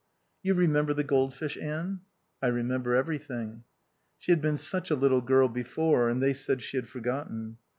"You remember the goldfish, Anne?" "I remember everything." She had been such a little girl before, and they said she had forgotten.